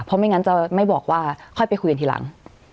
เพราะไม่งั้นจะไม่บอกว่าค่อยไปคุยกันทีหลัง